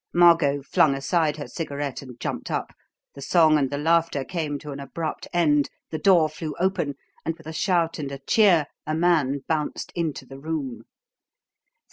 Margot flung aside her cigarette and jumped up, the song and the laughter came to an abrupt end, the door flew open, and with a shout and a cheer a man bounced into the room.